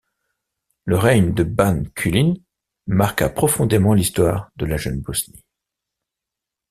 Le règne de ban Kulin marqua profondément l’Histoire de la jeune Bosnie.